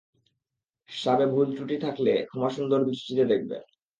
সাবে ভুল-ত্রুটি থেকে থাকলে ক্ষমাসুন্দর দৃষ্টিতে দেখবেন।